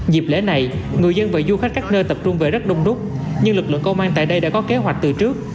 dịp lễ này người dân và du khách các nơi tập trung về rất đông đúc nhưng lực lượng công an tại đây đã có kế hoạch từ trước